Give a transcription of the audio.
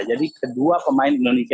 jadi kedua pemain indonesia